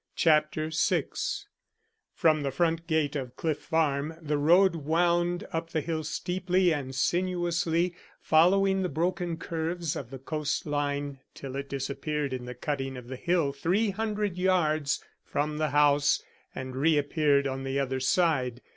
CHAPTER VI FROM the front gate of Cliff Farm the road wound up the hill steeply and sinuously, following the broken curves of the coastline till it disappeared in the cutting of the hill three hundred yards from the house, and reappeared on the other side.